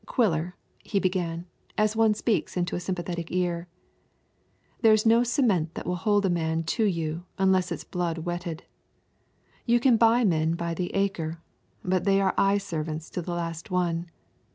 "Quiller," he began, as one speaks into a sympathetic ear, "there is no cement that will hold a man to you unless it is blood wetted. You can buy men by the acre, but they are eye servants to the last one.